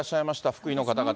福井の方々。